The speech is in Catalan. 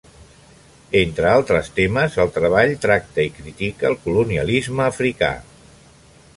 Entre altres temes, el treball tracta i critica el colonialisme africà.